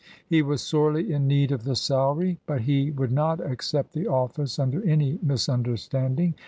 He was sorely in need of the salary, but he would not accept the office under any misunderstanding.